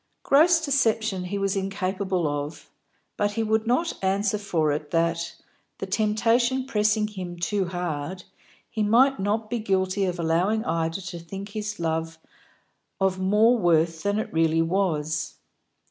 Gross deception he was incapable of, but he would not answer for it that, the temptation pressing him too hard, he might not be guilty of allowing Ida to think his love of more worth than it really was.